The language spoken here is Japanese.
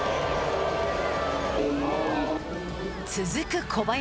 続く小林。